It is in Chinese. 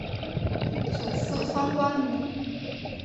祖父方关奴。